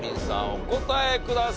お答えください。